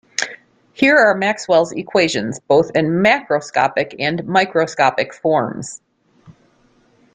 Here are Maxwell's equations, both in macroscopic and microscopic forms.